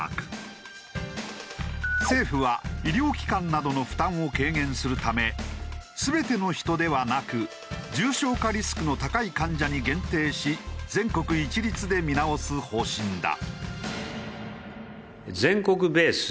政府は医療機関などの負担を軽減するため全ての人ではなく重症化リスクの高い患者に限定し全国一律で見直す方針だ。